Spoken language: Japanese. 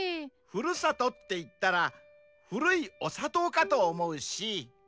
「ふるさと」っていったら古いおさとうかと思うし。